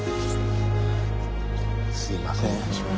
すいません